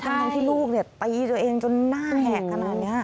ทั้งที่ลูกตีตัวเองจนหน้าแหกขนาดนี้